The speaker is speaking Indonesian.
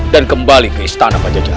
dan kembali ke istana pajajara